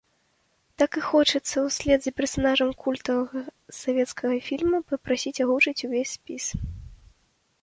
Так і хочацца ўслед за персанажам культавага савецкага фільма папрасіць агучыць увесь спіс.